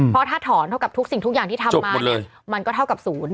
เพราะถ้าถอนเท่ากับทุกสิ่งทุกอย่างที่ทำมาเนี่ยมันก็เท่ากับศูนย์